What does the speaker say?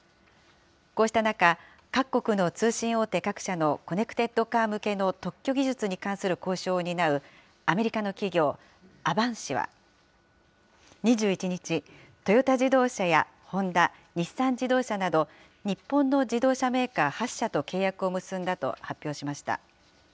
こうした中、各国の通信大手各社のコネクテッドカー向けの特許技術に関する交渉を担うアメリカの企業、アバンシは、２１日、トヨタ自動車やホンダ、日産自動車など、日本の自動車メーカー８社と契約を結んだと発表しました。